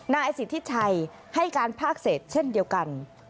นายสิทธิชัยให้การภาคเศษเช่นเดียวกัน